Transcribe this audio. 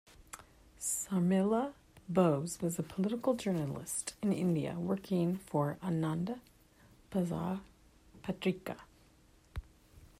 Sarmila Bose was a political journalist in India, working for Ananda Bazar Patrika.